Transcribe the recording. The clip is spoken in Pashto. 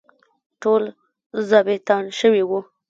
ټول ظابیطان شوي وو.